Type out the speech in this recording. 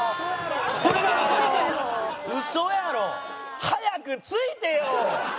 ウソやろ？早くついてよ！